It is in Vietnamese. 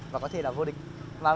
và có thể là vô địch